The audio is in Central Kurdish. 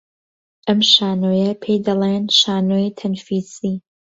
ئەم شانۆییە پێی دەڵێن شانۆی تەنفیسی